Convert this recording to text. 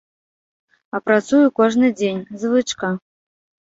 А працую кожны дзень, звычка.